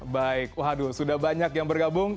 baik waduh sudah banyak yang bergabung